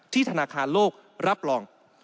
ธนาคารโลกรับรอง